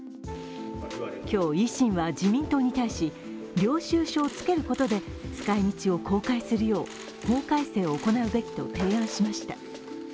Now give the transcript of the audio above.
今日、維新は自民党に対し、領収書をつけることで使い道を公開するよう法改正を行うべきと提案しました。